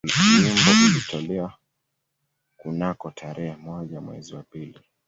Wimbo ulitolewa kunako tarehe moja mwezi wa pili